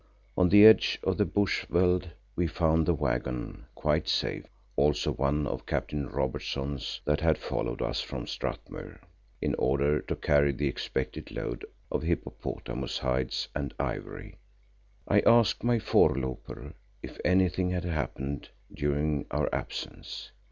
On the edge of the bush veld we found the waggon quite safe, also one of Captain Robertson's that had followed us from Strathmuir in order to carry the expected load of hippopotamus' hides and ivory. I asked my voorlooper if anything had happened during our absence.